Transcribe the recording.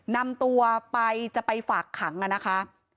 นำตัวไปจะไปฝากขังนะคะ